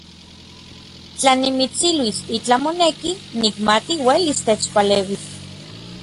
Tla nimitsiluis itlaj moneki, nikmati uelis techpaleuis.